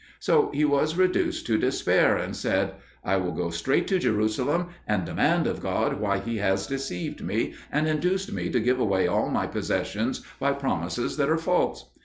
So he was reduced to despair, and said, "I will go straight to Jerusalem, and demand of God why He has deceived me, and induced me to give away all my possessions by promises that are false."